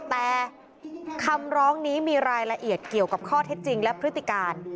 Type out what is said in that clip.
แต่คำร้องนี้มีรายละเอียดเกี่ยวกับข้อเท็จจริงและพฤติการ